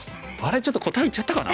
ちょっと答え言っちゃったかな？